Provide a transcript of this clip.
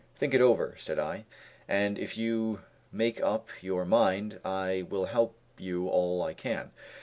"Think it over," said I, "and if you make up your mind, I will help you all I can."